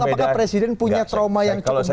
apakah presiden punya trauma yang cukup baik